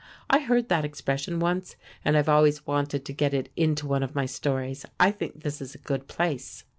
I heard that expression once, and I've always wanted to get it into one of my stories. I think this is a good place.